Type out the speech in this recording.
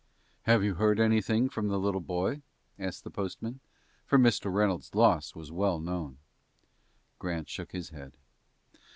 "Have you heard anything from the little boy?" asked the postman, for Mr. Reynolds' loss was well known. Grant shook his head.